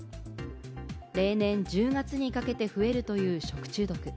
例年１０月にかけて増えるという食中毒。